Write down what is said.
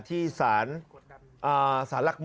ที่สารภักษณ์